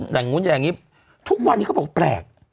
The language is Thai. ยังงี้ทุกวันนี้เขาบอกแปลก